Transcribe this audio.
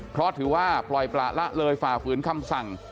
เพราะถือว่าปล่อยประละเลยฝ่าฝืนคำสั่ง